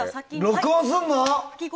録音するの？